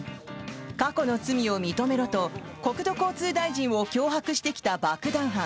過去の罪を認めろと国土交通大臣を脅迫してきた爆弾犯。